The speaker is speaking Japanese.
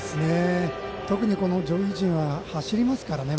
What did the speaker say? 特に上位陣は走りますからね。